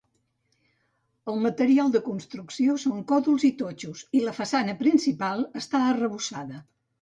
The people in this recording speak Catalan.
El material de construcció són còdols i totxos i la façana principal està arrebossada.